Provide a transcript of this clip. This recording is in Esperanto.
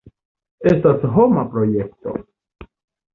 Estas homa projekto.